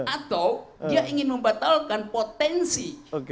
atau dia ingin membatalkan potensi